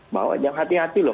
bahwa jangan hati hati loh